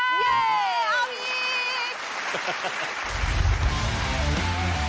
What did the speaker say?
เอาอีก